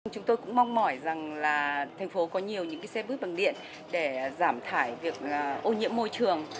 chúng tôi cũng mong mỏi rằng là thành phố có nhiều những xe buýt bằng điện để giảm thải việc ô nhiễm môi trường